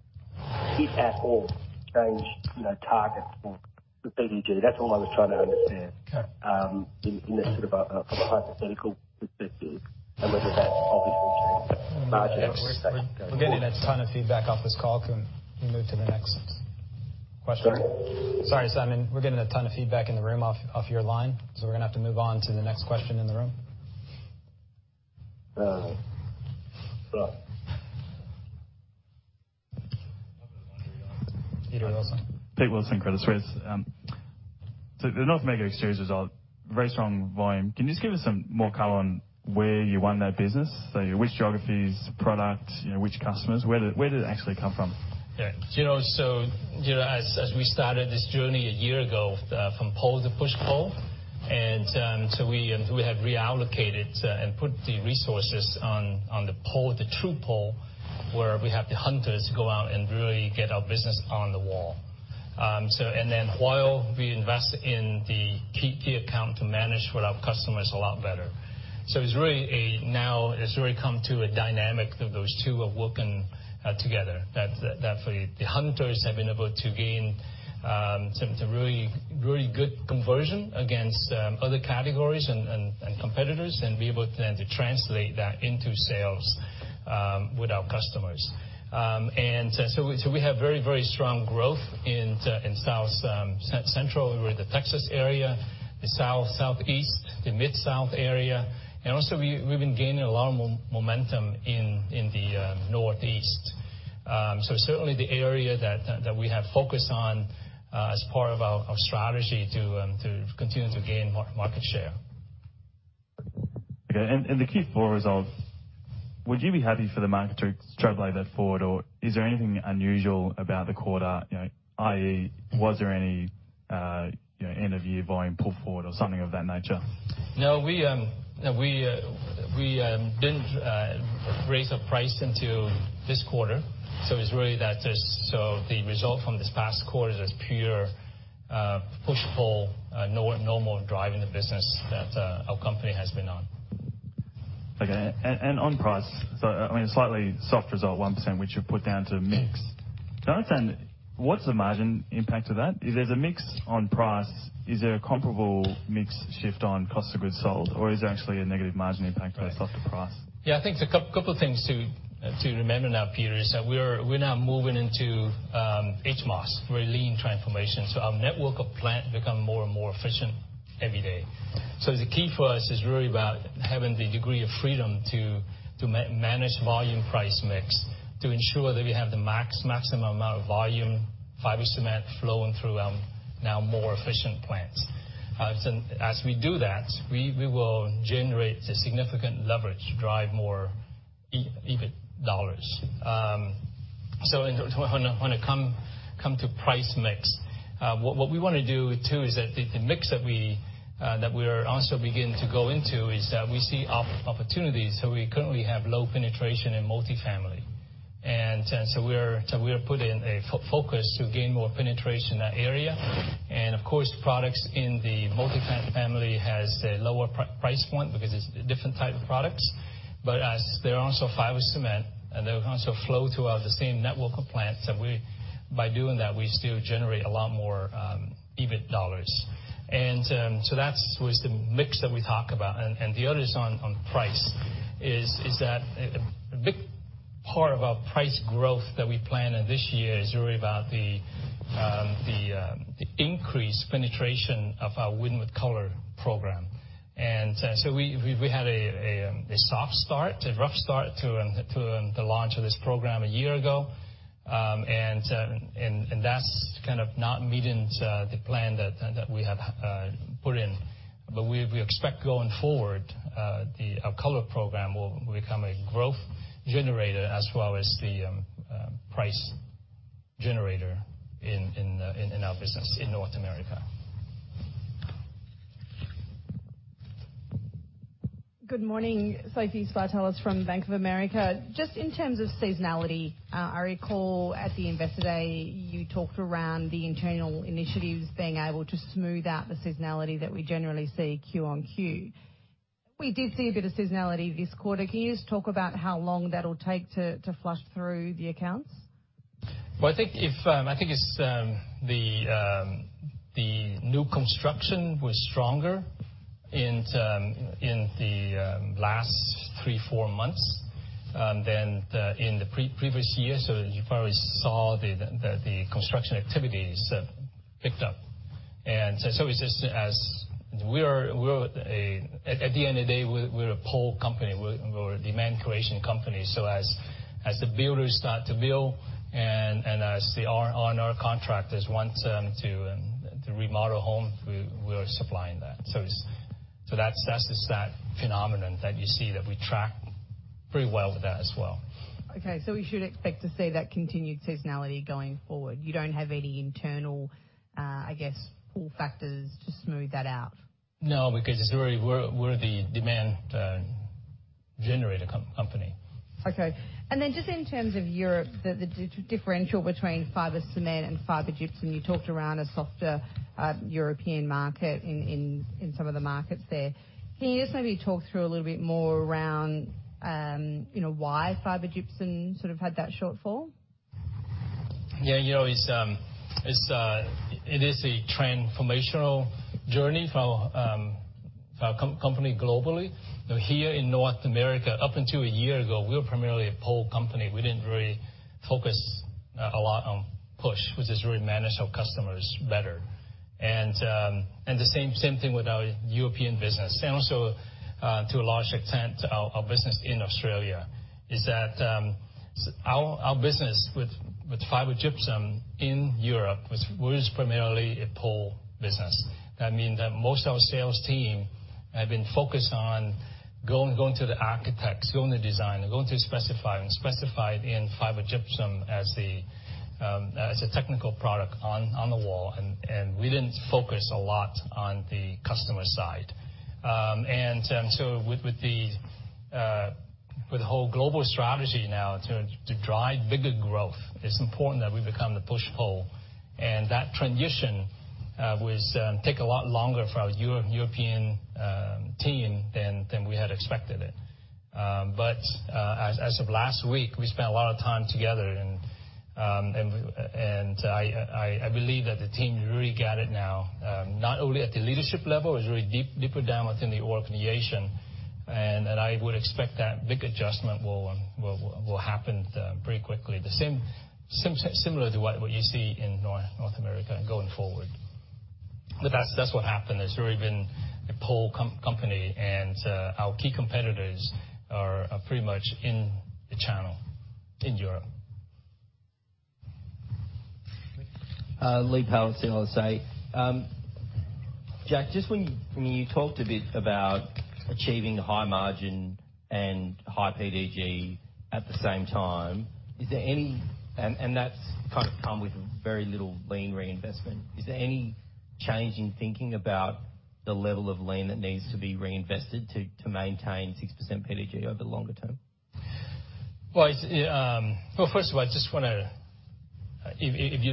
if at all, change, you know, targets for the PDG? That's all I was trying to understand. Okay. In a sort of, from a hypothetical perspective, and whether that's obviously changed marginally. We're getting a ton of feedback off this call. Can we move to the next question? Sorry? Sorry, Simon. We're getting a ton of feedback in the room off your line, so we're gonna have to move on to the next question in the room. Uh, right. Peter Wilson. Peter Wilson, Credit Suisse. So the North America segment result, very strong volume. Can you just give us some more color on where you won that business? So which geographies, product, you know, which customers? Where did it actually come from? Yeah. You know, so, you know, as we started this journey a year ago, from pull to push-pull, and so we have reallocated and put the resources on the pull, the true pull, where we have the hunters go out and really get our business on the wall. So and then while we invest in the key account to manage with our customers a lot better. So it's really a... Now, it's really come to a dynamic that those two are working together. That the hunters have been able to gain some really good conversion against other categories and competitors, and be able to then to translate that into sales with our customers. And so we have very, very strong growth in South Central, over the Texas area, the South, Southeast, the Mid-South area. And also we've been gaining a lot of momentum in the Northeast. So certainly the area that we have focused on as part of our strategy to continue to gain market share. Okay. And the Q4 results, would you be happy for the market to extrapolate that forward, or is there anything unusual about the quarter? You know, i.e., was there any, you know, end of year volume pull forward or something of that nature? No, we didn't raise our price until this quarter, so it's really that, just so the result from this past quarter is just pure push, pull, normal driving the business that our company has been on. Okay. And on price, so, I mean, a slightly soft result, 1%, which you've put down to mix. Can I understand, what's the margin impact of that? If there's a mix on price, is there a comparable mix shift on cost of goods sold, or is there actually a negative margin impact to the softer price? Yeah, I think the couple of things to remember now, Peter, is that we're now moving into HMOS. We're in a lean transformation, so our network of plants become more and more efficient every day. So the key for us is really about having the degree of freedom to manage volume, price, mix, to ensure that we have the maximum amount of volume, fiber cement flowing through our now more efficient plants. So as we do that, we will generate a significant leverage to drive more EBIT dollars. So when it comes to price mix, what we want to do too is that the mix that we are also beginning to go into is that we see opportunities. So we currently have low penetration in multifamily, and so we are putting a focus to gain more penetration in that area. And of course, products in the multifamily has a lower price point because it's different type of products. But as they're also fiber cement, and they also flow throughout the same network of plants, that we, by doing that, we still generate a lot more EBIT dollars. And so that was the mix that we talk about. And the other is on price, is that a big part of our price growth that we planned in this year is really about the increased penetration of our Win with Color program. We had a soft start, a rough start to the launch of this program a year ago. That's kind of not meeting the plan that we have put in. We expect going forward our color program will become a growth generator as well as the price generator in our business in North America. Good morning, Sophie Spartalis from Bank of America. Just in terms of seasonality, I recall at the Investor Day, you talked around the internal initiatives being able to smooth out the seasonality that we generally see Q-on-Q. We did see a bit of seasonality this quarter. Can you just talk about how long that'll take to, to flush through the accounts? I think the new construction was stronger in the last three, four months than in the previous year. So you probably saw the construction activities picked up. And so it's just as we are at the end of the day. We're a pull company. We're a demand creation company. So as the builders start to build and as the owner contractors want to remodel homes, we are supplying that. So that's just that phenomenon that you see that we track pretty well with that as well. Okay, so we should expect to see that continued seasonality going forward. You don't have any internal, I guess, pull factors to smooth that out? No, because we're the demand generator company. Okay. And then just in terms of Europe, the differential between fiber cement and fiber gypsum, you talked around a softer European market in some of the markets there. Can you just maybe talk through a little bit more around, you know, why fiber gypsum sort of had that shortfall? Yeah, you know, it is a transformational journey for our company globally. You know, here in North America, up until a year ago, we were primarily a pull company. We didn't really focus a lot on push, which is really manage our customers better. And the same thing with our European business, and also to a large extent our business in Australia is that our business with fiber gypsum in Europe was primarily a pull business. That mean that most of our sales team have been focused on going to the architects, going to design, and going to specify and specified in fiber gypsum as a technical product on the wall, and we didn't focus a lot on the customer side. So with the whole global strategy now to drive bigger growth, it's important that we become the push/pull, and that transition was taking a lot longer for our European team than we had expected it. But as of last week, we spent a lot of time together, and I believe that the team really got it now, not only at the leadership level, it's really deeper down within the organization, and I would expect that big adjustment will happen pretty quickly. It's similar to what you see in North America going forward. But that's what happened. It's really been a pull company, and our key competitors are pretty much in the channel in Europe. Lee Power, CLSA. Jack, just when you talked a bit about achieving high margin and high PDG at the same time, is there any... And that's kind of come with very little lean reinvestment. Is there any change in thinking about the level of lean that needs to be reinvested to maintain 6% PDG over the longer term? First of all, I just wanna, if you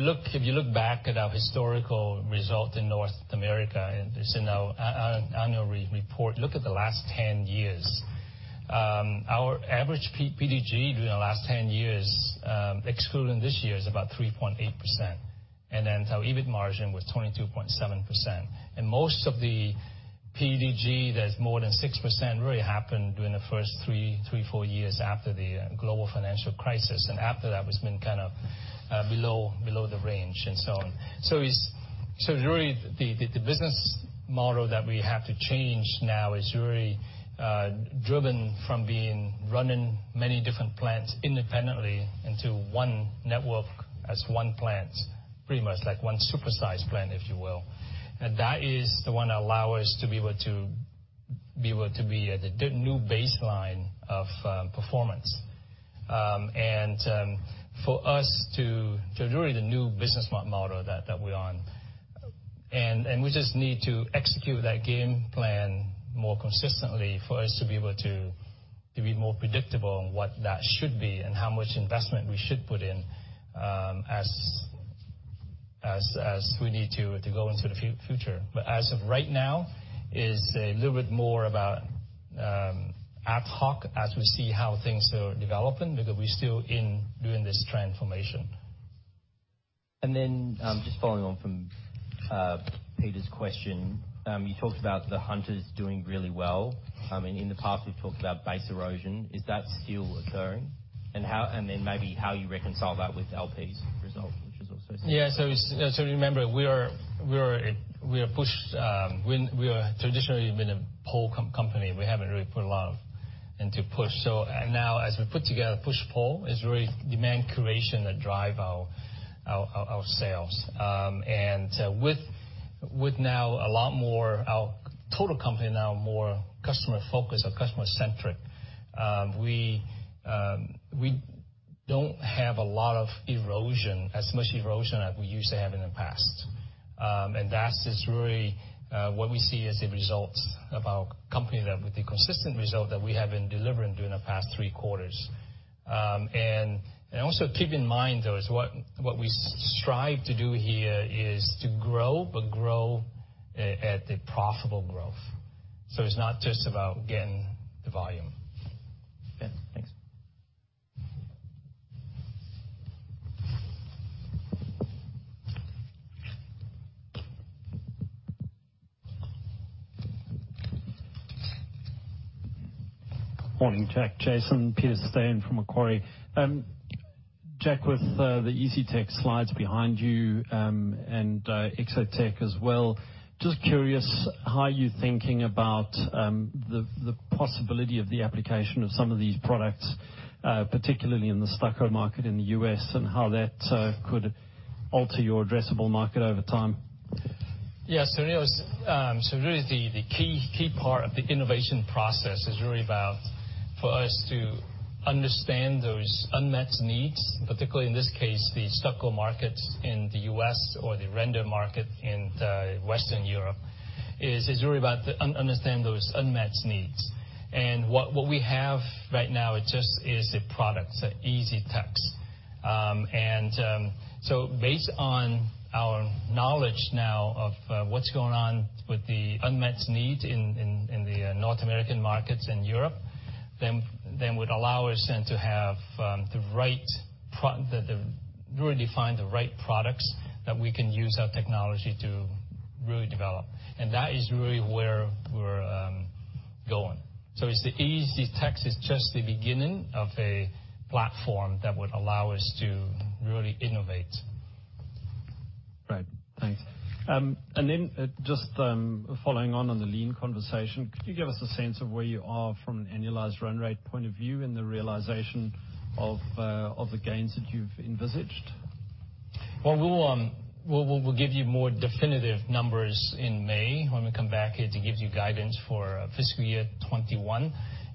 look back at our historical result in North America, and it's in our annual report, look at the last 10 years. Our average PDG during the last 10 years, excluding this year, is about 3.8%, and then our EBIT margin was 22.7%. And most of the PDG, that's more than 6%, really happened during the first three, four years after the global financial crisis. And after that, it's been kind of below the range and so on. So it's really the business model that we have to change now is really driven from being running many different plants independently into one network as one plant, pretty much like one super-sized plant, if you will. And that is the one that allow us to be able to be at the new baseline of performance. And for us to really the new business model that we're on, and we just need to execute that game plan more consistently for us to be able to be more predictable on what that should be and how much investment we should put in, as we need to go into the future. But as of right now, it's a little bit more about ad hoc as we see how things are developing, because we're still in doing this transformation. Then, just following on from Peter's question, you talked about the Hardies doing really well. I mean, in the past, we've talked about base erosion. Is that still occurring? And how, and then maybe how you reconcile that with LP's results, which is also- Yeah, so remember, we are traditionally been a pull company. We haven't really put a lot of into push. Now as we put together push/pull, it's really demand creation that drive our sales. With now a lot more, our total company now more customer focused or customer centric, we don't have a lot of erosion, as much erosion as we used to have in the past. That is really what we see as a result of our company that with the consistent result that we have been delivering during the past three quarters. Also keep in mind, though, what we strive to do here is to grow, but grow at a profitable growth. ...So it's not just about getting the volume. Yeah, thanks. Morning, Jack, Jason. Peter Steyn from Macquarie. Jack, with the EasyTex slides behind you, and ExoTec as well, just curious, how are you thinking about the possibility of the application of some of these products, particularly in the stucco market in the U.S., and how that could alter your addressable market over time? Yeah, so really, the key part of the innovation process is really about for us to understand those unmet needs, particularly in this case, the stucco markets in the U.S. or the render market in Western Europe. It is really about understanding those unmet needs. And what we have right now is just a product, the EasyTex. And so based on our knowledge now of what's going on with the unmet needs in the North American markets and Europe, then would allow us to have the right products that we can use our technology to really develop. And that is really where we're going. So the EasyTex is just the beginning of a platform that would allow us to really innovate. Great, thanks. And then, just following on the lean conversation, could you give us a sense of where you are from an annualized run rate point of view in the realization of the gains that you've envisaged? We'll give you more definitive numbers in May when we come back here to give you guidance for fiscal year 2021.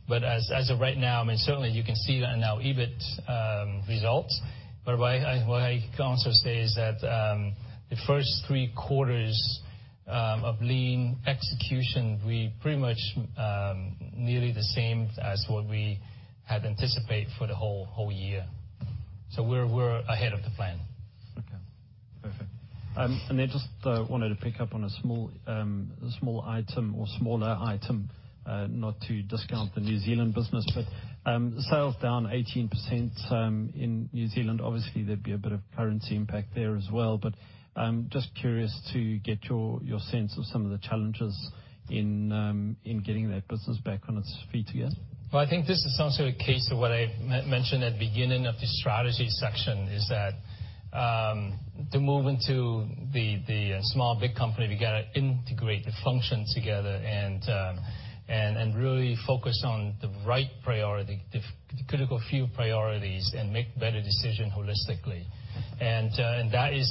But as of right now, I mean, certainly you can see that in our EBIT results. But what I can also say is that the first three quarters of Lean execution, we pretty much nearly the same as what we had anticipated for the whole year. So we're ahead of the plan. Okay, perfect, and I just wanted to pick up on a small item or smaller item, not to discount the New Zealand business, but sales down 18% in New Zealand. Obviously, there'd be a bit of currency impact there as well. But just curious to get your sense of some of the challenges in getting that business back on its feet again. I think this is also a case of what I mentioned at the beginning of the strategy section, is that the move into the small big company. We gotta integrate the functions together and really focus on the right priority, the critical few priorities, and make better decision holistically. And that is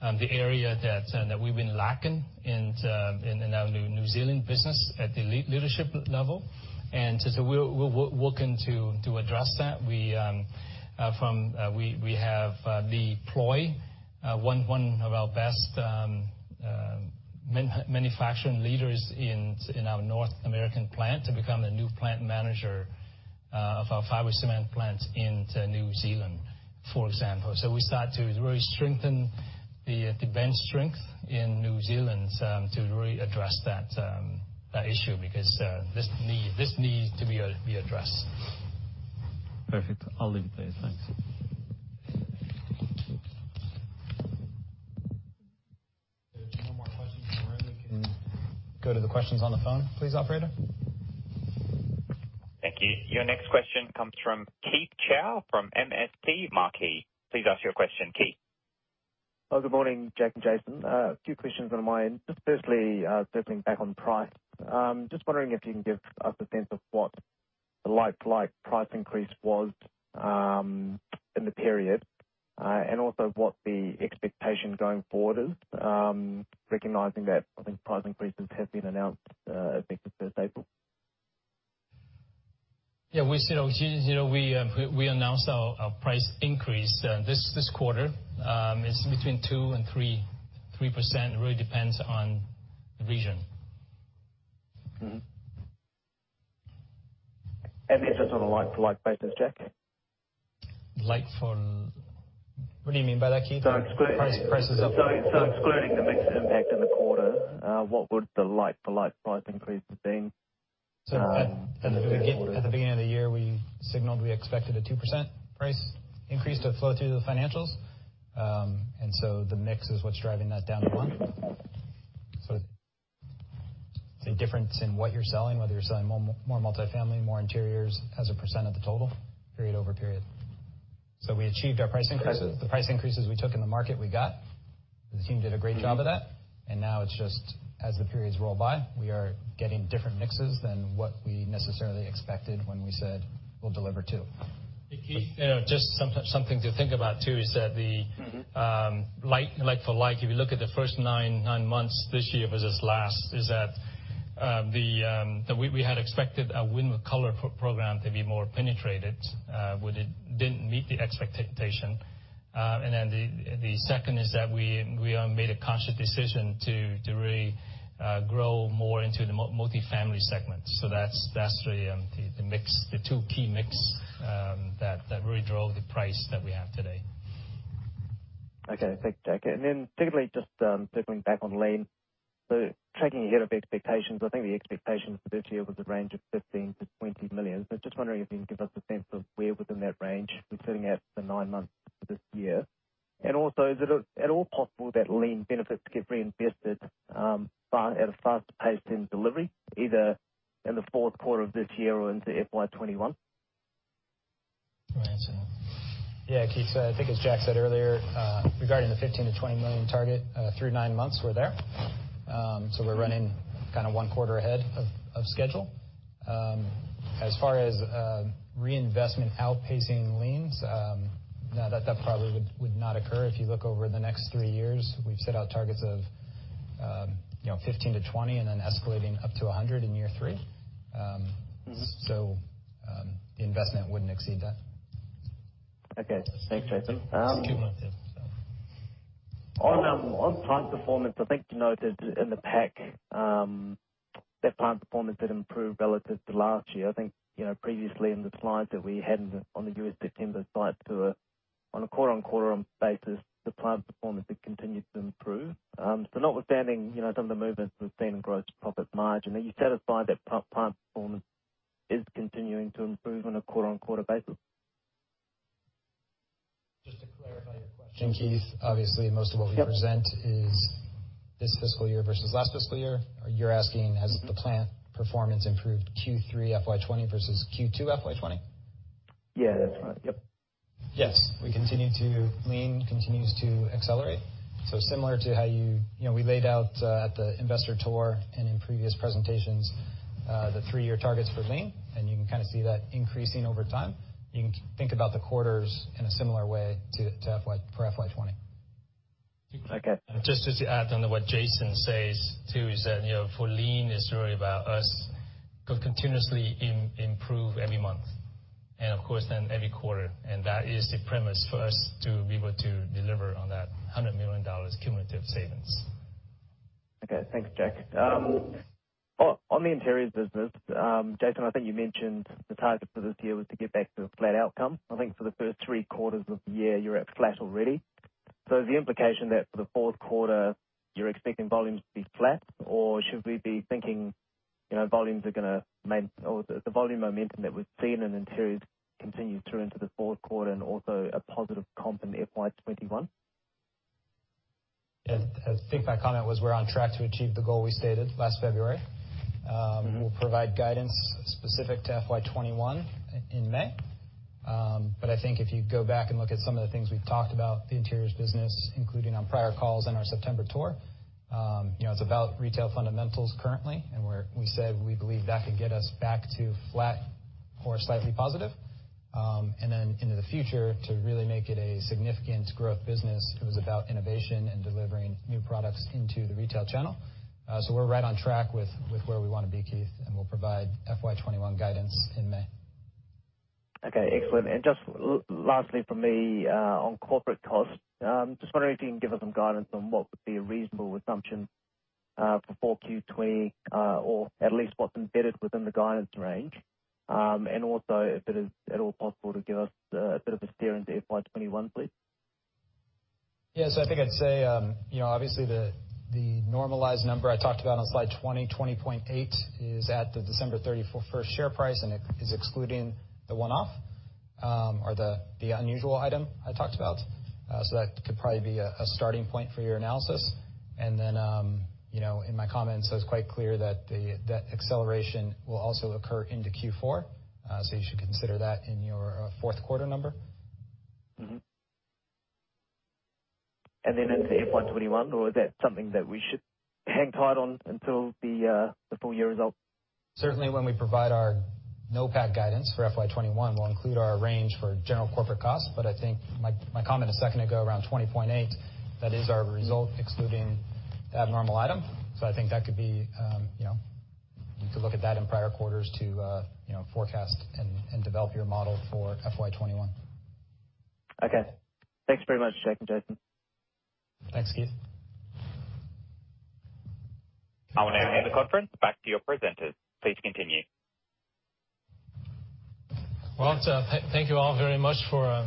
the area that we've been lacking in our New Zealand business at the leadership level. And so we're working to address that. We have Lee Ploy, one of our best manufacturing leaders in our North American plant to become the new plant manager of our fiber cement plant in New Zealand, for example. So we start to really strengthen the bench strength in New Zealand to really address that issue, because this needs to be addressed. Perfect. I'll leave it there. Thanks. If there are no more questions from Peter, we can go to the questions on the phone. Please, operator? Thank you. Your next question comes from Keith Chau from MST Marquee. Please ask your question, Keith. Good morning, Jack and Jason. A few questions on my end. Just firstly, circling back on price, just wondering if you can give us a sense of what the like-to-like price increase was, in the period, and also what the expectation going forward is, recognizing that I think price increases have been announced, effective first April. Yeah, we said, you know, we announced our price increase this quarter. It's between 2% and 3%. It really depends on the region. Mm-hmm. And just on a like-to-like basis, Jack? What do you mean by that, Keith? So excluding- Prices up- So, excluding the mix impact in the quarter, what would the like-for-like price increase have been? At the beginning of the year, we signaled we expected a 2% price increase to flow through the financials. And so the mix is what's driving that down to 1%. So it's a difference in what you're selling, whether you're selling more multifamily, more interiors as a percent of the total period over period. So we achieved our price increases. The price increases we took in the market, we got. The team did a great job of that. And now it's just as the periods roll by, we are getting different mixes than what we necessarily expected when we said we'll deliver to. Keith, you know, just something to think about, too, is that the- Mm-hmm. Like for like, if you look at the first nine months this year versus last, that's what we had expected a Win with Color program to be more penetrated, but it didn't meet the expectation. And then the second is that we made a conscious decision to really grow more into the multifamily segment. So that's really the mix, the two key mix, that really drove the price that we have today.... Okay, thanks, Jack. And then secondly, just circling back on lean. So tracking ahead of expectations, I think the expectation for this year was a range of 15 million-20 million. But just wondering if you can give us a sense of where within that range we're sitting at for nine months this year? And also, is it at all possible that lean benefits get reinvested at a faster pace in delivery, either in the fourth quarter of this year or into FY 2021? Right. So yeah, Keith, I think as Jack said earlier, regarding the 15 million-20 million target, through nine months, we're there. So we're running kind of one quarter ahead of schedule. As far as reinvestment outpacing Lean, no, that probably would not occur. If you look over the next three years, we've set out targets of, you know, 15-20, and then escalating up to 100 in year three. Mm-hmm. The investment wouldn't exceed that. Okay, thanks, Jason. Cumulative, yeah, so. On plant performance, I think you noted in the pack that plant performance did improve relative to last year. I think, you know, previously in the slides that we had on the U.S. September slide, so on a quarter-on-quarter basis, the plant performance had continued to improve. So notwithstanding, you know, some of the movements we've seen in gross profit margin, are you satisfied that plant performance is continuing to improve on a quarter-on-quarter basis? Just to clarify your question, Keith, obviously most of what Yep. We present is this fiscal year versus last fiscal year. Or you're asking, has the plant performance improved Q3 FY 2020 versus Q2 FY 2020? Yeah, that's right. Yep. Yes. We continue to lean. Lean continues to accelerate. So similar to how you, you know, we laid out at the investor tour and in previous presentations, the three-year targets for Lean, and you can kind of see that increasing over time. You can think about the quarters in a similar way to FY, for FY 2020. Okay. Just to add on to what Jason says, too, is that, you know, for Lean, it's really about us continuously improve every month, and of course, then every quarter. That is the premise for us to be able to deliver on that $100 million cumulative savings. Okay, thanks, Jack. On the interiors business, Jason, I think you mentioned the target for this year was to get back to a flat outcome. I think for the first three quarters of the year, you're at flat already. So is the implication that for the fourth quarter, you're expecting volumes to be flat, or should we be thinking, you know, volumes are gonna maintain or the volume momentum that we've seen in interiors continue through into the fourth quarter and also a positive comp in FY 2021? Yeah. I think my comment was, we're on track to achieve the goal we stated last February. Mm-hmm. We'll provide guidance specific to FY 2021 in May. But I think if you go back and look at some of the things we've talked about the interiors business, including on prior calls and our September tour, you know, it's about retail fundamentals currently, and we said we believe that could get us back to flat or slightly positive. And then into the future, to really make it a significant growth business, it was about innovation and delivering new products into the retail channel. So we're right on track with where we want to be, Keith, and we'll provide FY 2021 guidance in May. Okay, excellent. And just lastly from me, on corporate costs, just wondering if you can give us some guidance on what would be a reasonable assumption, for 4Q 2020, or at least what's embedded within the guidance range. And also, if it is at all possible, to give us a bit of a steer into FY 2021, please. Yes, I think I'd say, you know, obviously, the normalized number I talked about on slide 20, 20.8, is at the December thirty-first share price, and it is excluding the one-off, or the unusual item I talked about. So that could probably be a starting point for your analysis. And then, you know, in my comments, I was quite clear that that acceleration will also occur into Q4. So you should consider that in your fourth quarter number. Mm-hmm. And then into FY twenty-one, or is that something that we should hang tight on until the full year results? Certainly, when we provide our NOPAT guidance for FY 2021, we'll include our range for general corporate costs. But I think my comment a second ago, around 20.8, that is our result excluding the abnormal item. So I think that could be, you know. You could look at that in prior quarters to, you know, forecast and develop your model for FY 2021. Okay. Thanks very much, Jack and Jason. Thanks, Keith. I will now hand the conference back to your presenters. Please continue. Thank you all very much for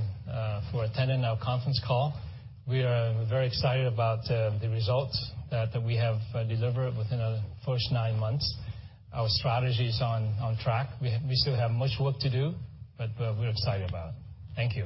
attending our conference call. We are very excited about the results that we have delivered within the first nine months. Our strategy is on track. We still have much work to do, but we're excited about it. Thank you.